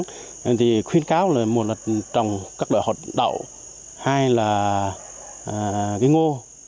nên thì khuyên cáo là một là trồng các loại hột đậu hai là cái ngô